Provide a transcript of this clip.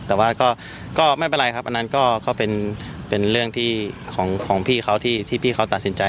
แต่ว่าก็ไม่เป็นไรครับอันนั้นก็เป็นเรื่องของพี่เขาที่พี่เขาตัดสินใจ